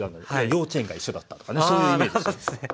幼稚園が一緒だったとかねそういうイメージですね。